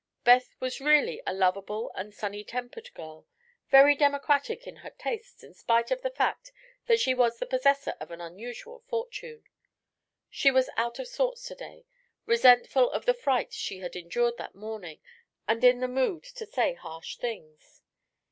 Beth was really a lovable and sunny tempered girl, very democratic in her tastes in spite of the fact that she was the possessor of an unusual fortune. She was out of sorts to day, resentful of the fright she had endured that morning and in the mood to say harsh things.